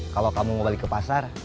kalau kamu mau balik ke pasar